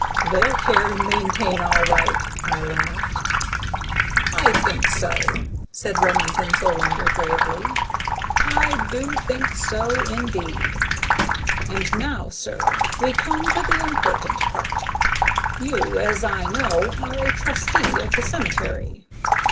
"They'll care and maintain, all right!" I laughed. "I think so," said Remington Solander gravely. "I do think so, indeed! And now, sir, we come to the important part. You, as I know, are a trustee of the cemetery."